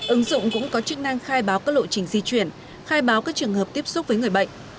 ứng dụng cũng có chức năng khai báo các lộ trình di chuyển khai báo các trường hợp tiếp xúc với người bệnh